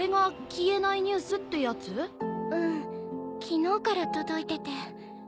昨日から届いてて。